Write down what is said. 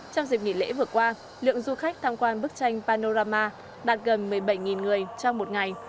trong dịp nghỉ lễ vừa qua lượng du khách tham quan bức tranh panorama đạt gần một mươi bảy người trong một ngày